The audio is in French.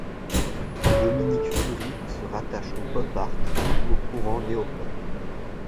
Dominique Fury se rattache au Pop Art eu au courant Néo pop.